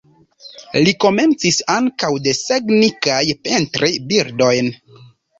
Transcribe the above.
Li komencis ankaŭ desegni kaj pentri birdojn.